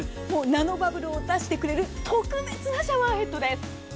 ナノバブルを出してくれる特別なシャワーヘッドです。